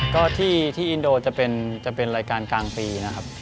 ก็ที่อินโดจะเป็นรายการกลางปีนะครับ